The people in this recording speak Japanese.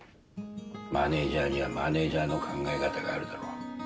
マネジャーにはマネジャーの考え方があるだろう。